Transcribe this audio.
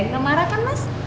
gak marah kan mas